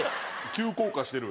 急降下してる？